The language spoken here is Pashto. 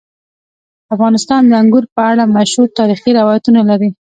افغانستان د انګور په اړه مشهور تاریخی روایتونه لري.